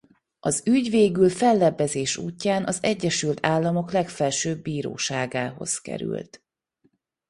Az ügy végül fellebbezés útján az Egyesült Államok Legfelsőbb Bíróságához került.